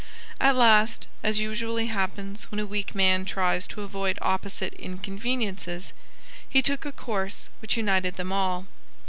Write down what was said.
At last, as usually happens when a weak man tries to avoid opposite inconveniences, he took a course which united them all.